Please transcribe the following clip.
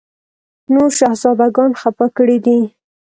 نور شهزاده ګان خپه کړي دي.